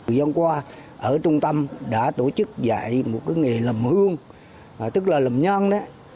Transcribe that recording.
vì văn qua ở trung tâm đã tổ chức dạy một cái nghề làm hương tức là làm nhân đấy